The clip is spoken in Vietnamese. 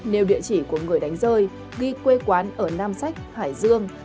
nêu địa chỉ của người đánh rơi ghi quê quán ở nam sách hải dương